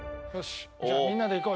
じゃあみんなでいこう。